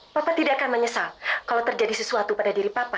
papa tidak akan menyesal kalau terjadi sesuatu pada diri papa